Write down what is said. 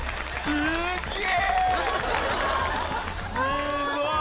すごい！